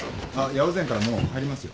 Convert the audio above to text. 八百善からもう入りますよ。